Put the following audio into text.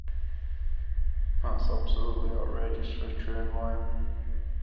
That's absolutely outrageous for a trained lawyer.